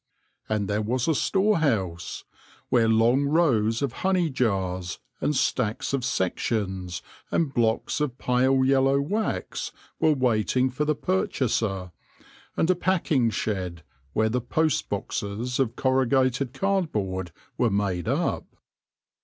And there was a storehouse, where long rows of honey jars, and stacks of sections, and blocks of pale yellow wax were waiting for the purchaser, and a packing shed where the post boxes of corrugated card!, oar d were made up.